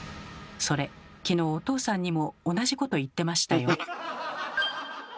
それ昨日お父さんにも同じこと言ってましたよ。